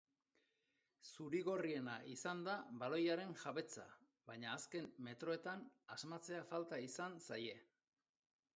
Zuri-gorriena izan da baloiaren jabetza, baina azken metroetan asmatzea falta izan zaie.